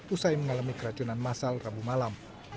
usai mengalami keracunan masal rabu malam